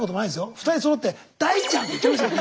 ２人そろって「大ちゃん」って言っちゃいましたよね。